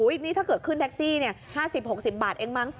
นี่ถ้าเกิดขึ้นแท็กซี่๕๐๖๐บาทเองมั้ง